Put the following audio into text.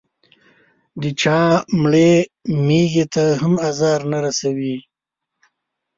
د چا مړې مېږې ته هم ازار نه رسوي.